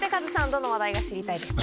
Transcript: どの話題が知りたいですか？